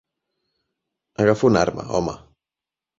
Agafa una arma, home.